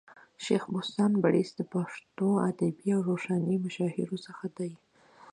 شېخ بُستان بړیڅ د پښتو ادبي او روحاني مشاهيرو څخه دئ.